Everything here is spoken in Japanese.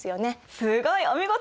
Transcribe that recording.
すごいお見事！